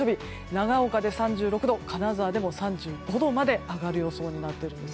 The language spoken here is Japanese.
長岡で３６度金沢でも３５度まで上がる予想になっているんです。